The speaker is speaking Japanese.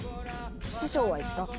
「師匠は言った。